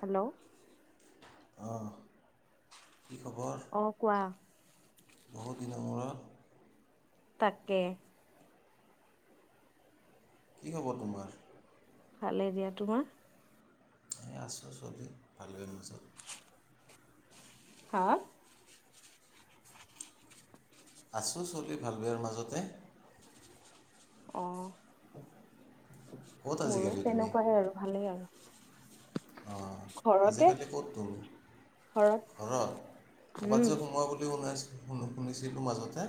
Hello, অহ কি খবৰ অ কোৱা বহুত দিনৰ মূৰত তাকে। কি খবৰ তোমাৰ? ভালে দিয়া তোমাৰ? এই আছোঁ চলি ভালই মাজত। হা আছোঁ চলি ভাল -বেয়াৰ মাজতে। অ' ক'ত মোৰো আজিকালি তেনেকুৱাই আৰু ভালেই আৰু। অহ, ঘৰতে আজিকালি ক'ত তুমি? ঘৰত ঘৰত, ক'বাত উম যে সোমোৱা বুলি ওলাইছিলোঁ শুনি- শুনি শুনিছিলোঁ মাজতে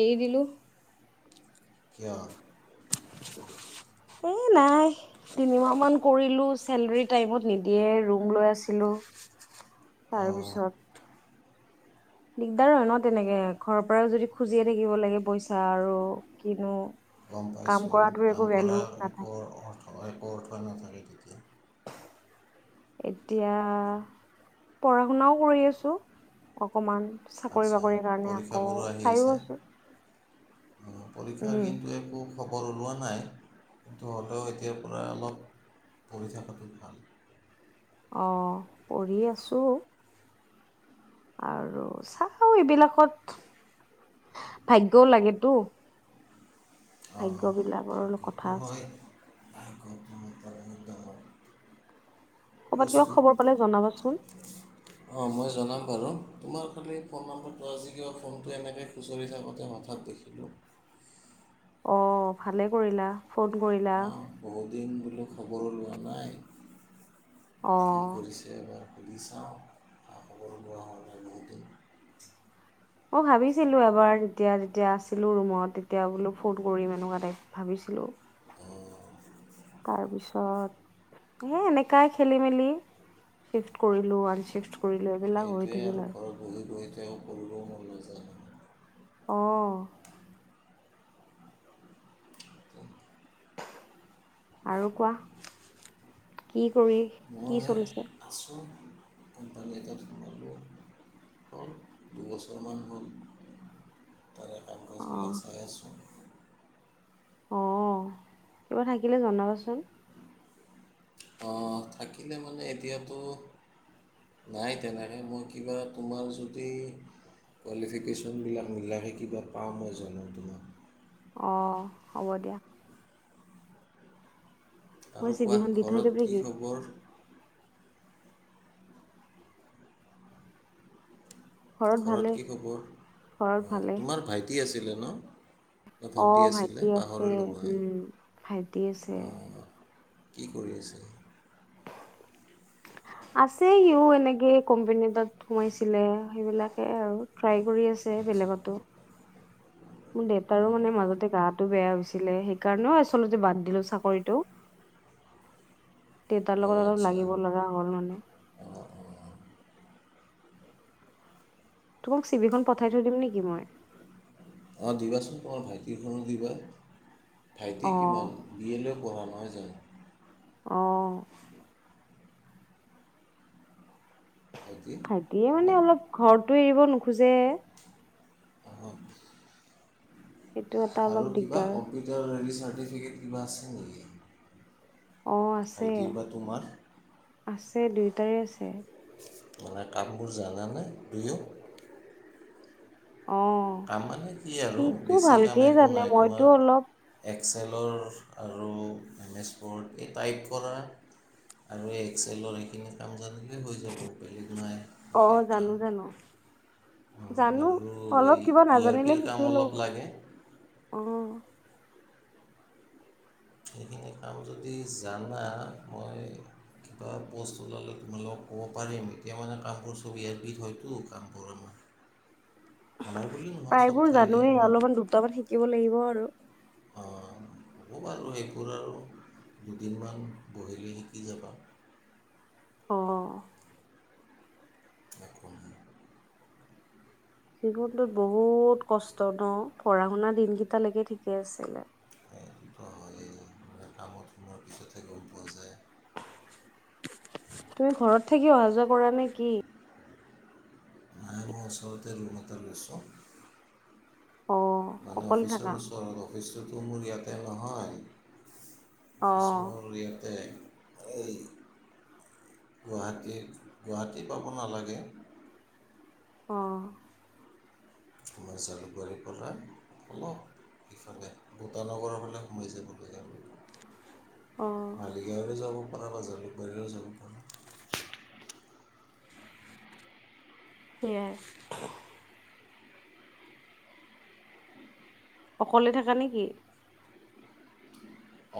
এৰি দিলোঁ। কিয়? [inaudible] এ নাই, তিনিমাহ মান কৰিলো চেলেৰী টাইমত নিদিয়ে ৰুম লৈ আছিলো [inaudible] তাৰ অঁ পিছত দিগদাৰ হয় ন' তেনেকে ঘৰৰ পৰাই যদি খুজিয়ে থাকিব লাগে পইচা আৰু কিনো গম কাম পাইছোঁ কৰাটোৰ একো কাম ভেলু কৰাৰ নাথাকে একো অৰ্থ -একো অৰ্থই নাথাকে তেতিয়া [inaudible] এতিয়া পঢ়া -শুনাও কৰি আছো অকমান চাকৰি আচ্ছা -বাকৰিৰ কাৰণে আকৌ পৰীক্ষাবোৰো আহি চাইও আছে আছোঁ। পৰীক্ষাৰ দিনটোৱে খুব খবৰ ওলোৱা নাই কিন্তু হ'লেও এতিয়াৰ পৰা অলপ পঢ়ি থাকাটো ভাল। অহ, পঢ়ি আছোঁ। আৰু চাওঁ এইবিলাকত ভাগ্যও লাগেতো আহ, ভাগ্যবিলাকৰ কথা আছে। আকৌ [unintelligible] কৰ'বাত কিবা খবৰ পালে জনাবাচোন। অঁ মই জনাম বাৰু তোমাৰ খালী ফোন নম্বৰটো আজি কিব ফোনটো এনেকৈ খুচৰি থাকোঁতে হঠাত দেখিলোঁ [inaudible] অ ভালে কৰিলা ফোন কৰিলা। মই খবৰ লোৱা নাই অ কি কৰিছে এবাৰ সুধি চাওঁ আৰু খা খবৰো লোৱা হোৱা নাই বহু দিন। অ ভাবিছিলো এবাৰ যেতিয়া যেতিয়া আছিলো ৰুমত তেতিয়া বোলো ফোন কৰিম এনেকুৱাতে ভাবিছিলো অঁ তাৰপিছত এ এনেকাই খেলি মেলি। চিফ্ট কৰিলো আন চিফ্ট কৰিলো সেইটোৱে আৰু ঘৰত বহি বহি তেওঁ কৰিবও মন নাযায় অ আৰু কোৱা কি। কৰি কি মই চলিছে? আছোঁ কোম্পানী এটাত সোমাব। হল দুবছৰমান হ'ল। তাৰে কাম কাজবিলাক অ' চাই আছোঁ। অ কিবা থাকিলে জনাবাচোন। অ থাকিলে মানে এতিয়াতো নাই তেনেকৈ মই কিবা তোমাৰ যদি কোৱালি ফিকেশ্যনবিলাক মিলাকে কিবা পাওঁ মই জানাম তোমাক অঁ হ'ব দিয়া মই আৰু কোৱা চিভিখন দি থৈ ঘৰত যাবি কি নেকি খবৰ? ঘৰত কি খবৰ? ঘৰত অ ভালে তোমাৰ ভাইটি আছিলে ন? নে অ ভণ্টি আছিলে ভাইটি আছে পাহৰিলোঁ মই উম ভাইটি আছে। অঁ কি কৰি আছে আছে সিও এনেকে কোম্পানী এটাত সোমাইছিলে। সেইবিলাকে আৰু ট্ৰাই কৰি আছে আচ্ছা বেলেগতো। মোৰ দেউতাৰো মানে মাজতে গাটো বেয়া হৈছিলে সেইকাৰণেও আচলতে বাদ দিলো চাকৰিটো। [unintelligible] দেউতাৰ অঁ লগত অলপ লাগিব আচ্ছা লগা হ'ল মানে অঁ অঁ তোমাক চিভিখন পঠাই থৈ দিম নেকি মই অঁ দিবাচোন তোমাৰ ভাইটিৰখনো দিবা। ভাইটি অ কিমান বি এ লৈ পঢ়া? হয় যায় অঁ ভাইটি ভাইটিয়ে মানে তোমাৰ অলপ ঘৰটো এৰিব নোখোজে অ সেইটো এটা অলপ আৰু কি বা দিগদাৰ কম্পিউটাৰৰ সেৰি চা চাৰ্টিফিকেট কিবা আছে অ নেকি আছে ভাইটিৰ বা তোমাৰ? আছে দুইটাৰে আছে। মানে কামবোৰ জানানে দুয়ে অ কাম মানে কি আৰু সিটো বেছি কাম ভালকেই একো জানে নাই মইতো অলপ তোমাৰ এক্সেলৰ আৰু এম এছ প'ৰ্ এই টাইপ কৰা আৰু এক্সেলৰ সেইখিনি কাম জানিলে হৈ যাব পাৰিলে অ জানো জানো। জানো আৰু অলপ এই কিবা ই আৰ নাজানিলে পিৰ কাম শিকি অলপ লব লাগে পাৰিম অ সেইখিনি কাম যদি জানা মই কিবা প'ষ্ট ওলালে তোমালক ক'ব পাৰিম। এতিয়া মানে কামবোৰ [unintelligible] হয়তো কামবোৰ আমাৰ [inaudible] আমাৰ বুলি নহয় চব প্ৰায়বোৰ ঠাইৰে জানোয়ে মই অলপমান দুটামান শিকিব লাগিব আৰু। অহ হব বাৰু সেইবোৰ আৰু দুদিনমান বহিলে শিকি যাবা। অহ নে কোন হয় জীৱনটোত বহুত কষ্ট ন? পঢ়া শুনা দিনকেইটালেকে ঠিকে আছিলে। স যে কামত সোমোৱাৰ পিছতহে গম পোৱা যায়। তুমি ঘৰত থাকি অহা যোৱা কৰা নে কি? নাই মই ওপৰতে ৰুম এটা লৈছো। অ মানে অকলে থাকা অফিচৰ ওচৰত অফিচটোতো মোৰ ইয়াতে অ নহয়। ইছমল ইয়াতে এই গুৱাহাটী, গুৱাহাটী পাব নালাগে। অ মই জালুকবাৰীৰ পৰা অলপ সিফালে ভুটা নগৰৰ ফালে সোমাই যাব অ লাগে। মালি গাঁও হৈ যাব পাৰা জালুকবাৰীহৈও যাব পাৰা। সেইয়াই অকলে থাকা নেকি?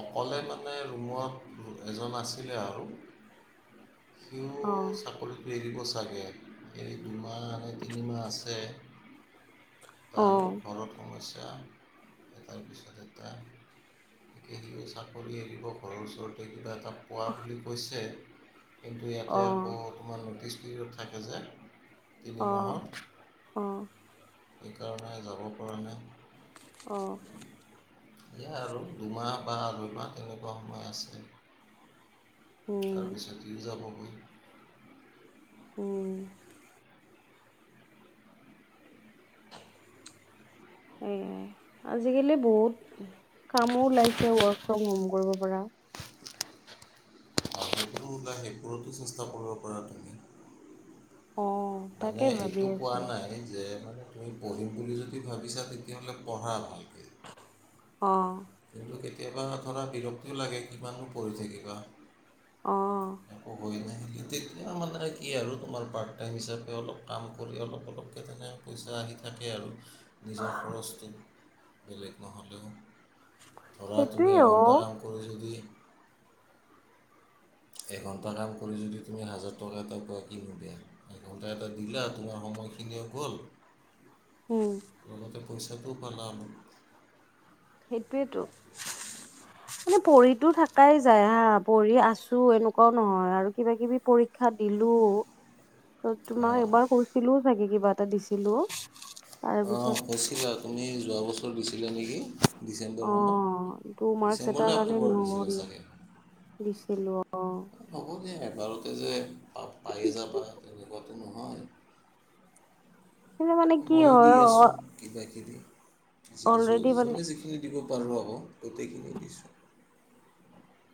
অকলে মানে ৰুমত এজন আছিলে আৰু সিও অ চাকৰিত এৰিব চা- গে দুমাহ নে তিনিমাহ আছে। অ তাৰ ঘৰত সমস্যা তাৰপিছতে এটা গতিকে চাকৰি এৰিব ঘৰৰ ওচৰতে কিবা এটা পোৱা বুলি কৈছে। কিন্তু অ ইয়াতে আকৌ তোমাৰ ন'টিচ পিয়ড থাকে যে অহ তিনিমাহৰ অহ সেইকাৰণে যাব পৰা অ নাই। এয়া আৰু দুমাহ বা দুইমাহ তেনেকুৱা সময় আছে। উম তাৰপিছত ইও যাবগৈ। উম [inaudible] সেয়য়াই আজিকালি বহুত কামো ওলাইছে ৱৰ্ক ফ্ৰম হোম কৰিব পৰা। সেইবোৰতো ওলাই সেইবোৰতো চেষ্টা কৰিব পাৰা তুমি। অ মানে তাকে ভাবি এইটো কোৱা আছো নাই যে মানে তুমি পঢ়িম বুলি যদি ভাবিছা তেতিয়াহ'লে পঢ়া ভালকে অ কিন্তু কেতিয়াবা ধৰা বিৰক্তিও লাগে কিমানো পঢ়ি থাকিবা। অ ক'বই নাই। তেতিয়া মানে কি আৰু তোমাৰ পাৰ্ট টাইম হিচাপে অলপ কাম কৰি অলপ অলপকে তেনে পইচা থাকে আৰু নিজৰ খৰচটো বেলেগ নহ'লেও ধৰা সেইটোৱে তুমি অ এঘণ্টা কাম কৰি যদি এঘণ্টা কাম কৰি যদি তুমি হাজাৰ টকা এটা কোৱা কিনো দিয়া এঘণ্টা এটা দিলা আৰু তোমাৰ সময় কিনিও গ'ল। উম পইচাটো পালা অলপ। সেইটোয়েটো মানে পঢ়িতো থাকাই যায় হা পঢ়ি আছো এনেকুৱাও নহয় আৰু কিবা কিবি পৰীক্ষ- ক্ষাত দিলো। [inaudible] ত' তোমাক অঁ এবাৰ কৈছিলোও চাগে কিবা এটা দিছিলো। তাৰ অহ, পিছত কৈছিলা তুমি যোৱা বছৰ দিছিলা নেকি? ডিচেম্বৰ অ মানত, টু মাৰ্কচ এটাৰ ডিচেম্বৰ নে কাৰণে অক্টোবৰত দিছিলে নহল চাগে। দিছিলো অ হ'ব দে আৰু। এবাৰতে যে পায়ে যাবা তেনেকুৱাটো নহয়। কিন্তু মানে কি ময়ো দি হয় আছোঁ কিবা-কিবি, যিকিছোঁ অলৰেডি মানে যিখিনি দিব প হ'ব গোটেইখিনি দিছোঁ।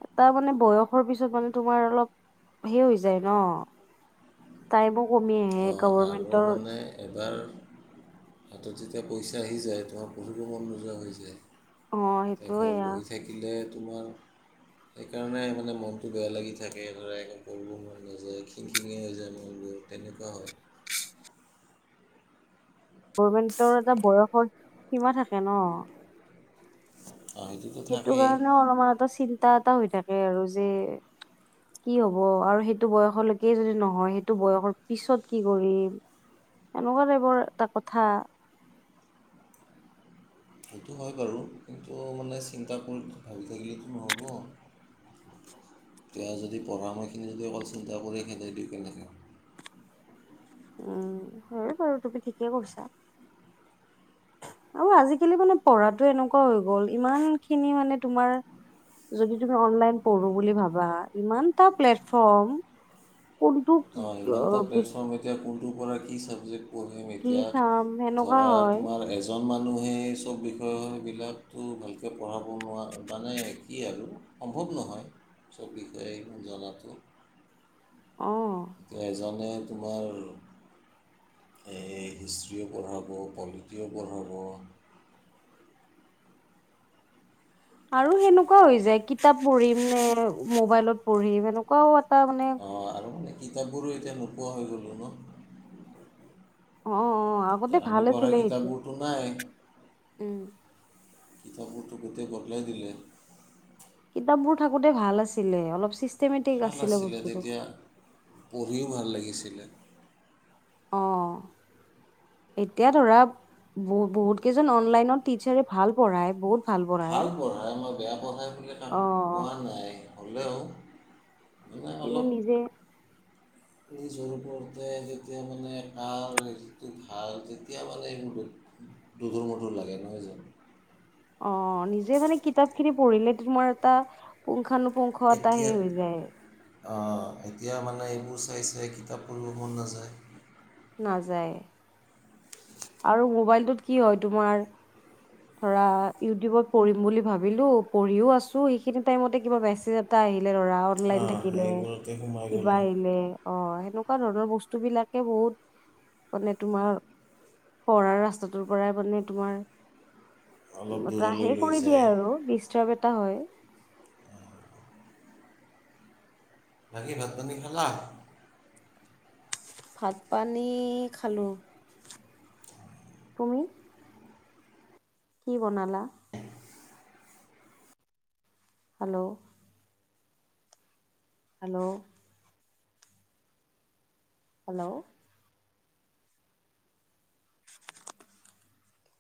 এটা মানে বয়সৰ পিছত মানে তোমাৰ অলপ হে হৈ যায় ন। তাই মোক অ আৰু মানে এবাৰ হাতত যেতিয়া পইচা আহি যায় তোমাৰ পঢ়িব মন নোযোৱা হৈ যায়। অ সেইটোয়ে এ'ঘৰত বহি থাকিলে তোমাৰ সেইকাৰণে মানে মনটো বেয়া লাগি থাকে ধৰা এইখন কৰলো মই নিজে খিংখিঙে হৈ যায় মনবোৰ। তেনেকুৱা হয়। গভমেণ্টৰ এটা বয়সৰ সীমা থাকে ন'। অঁ সেইটোতো সেইটো থাকেই কাৰণেও অলপমান এটা চিন্তা এটা হৈ থাকে আৰু যে কি হব আৰু সেইটো বয়সলৈকে যদি নহয় সেইটো বয়সৰ পিছত কি কৰিম? এনেকুৱা টাইপৰ এটা কথা সেইটো হয় বাৰু কিন্তু মানে চিন্তাবোৰ ভাবি থাকিলেতো নহ'ব তেওঁ যদি পঢ়া সময়খিনি যদি অকল চিন্তা কৰি থাকে দিওঁ কেনেকে উম, হয়েই বাৰু তুমি ঠিকে কৈছা। আৰু আজিকালি মানে পঢ়াটো এনেকুৱা হৈ গ'ল ইমান খিনি মানে তোমাৰ যদি তুমি অনলাইন পঢ়ো বুলি ভাবা ইমানটা প্লেটফৰ্ম কোনটো অহ, ইমানটা অ, প্লেটফৰ্ম এতিয়া কোনটোৰ পৰা কি ছাবজেক্ট পঢ়িম কি এতিয়া চাম সেনেকুৱা ধৰা হয় তোমাৰ এজন মানুহেই এই চব বিষয়বিলাকতো ভালকৈ পঢ়াব নোৱাৰা মানে কি আৰু সম্ভৱ নহয়। চব বিষয়ে ইমান জনাটো অ এজনে তোমাৰ এই হিষ্ট্ৰিও পঢ়াব, পলিটিও পঢ়াব। আৰু সেনেকুৱাও হৈ যায় কিতাপ পঢ়িম নে মোবাইলত পঢ়িম এনেকোৱাও তাৰ মানে অঁ আৰু মানে কিতাপবোৰো এতিয়া নোপোৱা হৈ গ'লো ন। অ অ আগতে এতিয়া আমি ভাল পঢ়া আছিলে সেইটো কিতাপবোৰতো নাই উম। কিতাপবোৰটো গোটেই বদলাই দিলে। কিতাপবোৰ থাকোতে ভাল আছিলে অলপ চি ভাল আছিলে তেতিয়া, পঢ়িও ভাল লাগিছিলে। অহ। এতিয়া ধৰা ব বহুত কেইজন অনলাইনত টিচাৰে ভাল পঢ়াই বহুত ভাল পঢ়াই মই বেয়া তাত অ পোৱা নাই হ'লেও মানে কিন্তু অলপ নিজে নিজৰ ওপৰতে তেতিয়া মানে ভাল যিটো ভাল তেতিয়া মানে এইবোৰ দুধুৰ মুধুৰ লাগে নহয় জানো। অ নিজে মানে কিতাপ খিনি পঢ়িলে তোমাৰ এটা পুংখানু পুংখ এটা সেই হৈ যায়। আ এতিয়া মানে এইবোৰ চাই চাই কিতাপ পঢ়িব মন নাযায়। নাযায়। আৰু মোবাইলটোত কি হয় তোমাৰ ধৰা ইউটিউবত পঢ়িম বুলি ভাবিলো, পঢ়িও আছো সেইখিনি টাইমতে কিবা মেচেজ এটা আহ হিলে ধৰা অনলাইন থাকিলে সেইবোৰতে সোমাই কিবা গ'লোঁ আহিলে অ' সেনেকুৱা ধৰণৰ বস্ত বস্তু বিলাকে বহুত মানে তোমাৰ পঢ়াৰ ৰাস্তাটোৰ পৰাই মানে তোমাৰ উম, অলপ দূৰলৈ বতাহে লৈ কৰি যায় দিয়ে আৰু ডিষ্টাৰ্ব এটা হয়। বাকি ভাত পানী খালা? ভাত পানী খালোঁ তুমি কি বনালা হেল্ল', হেল্ল', হেল্ল'